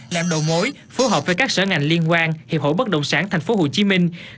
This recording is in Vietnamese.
làm đầu mối phù hợp với các sở ngành liên quan hiệp hội bất động sản tp hcm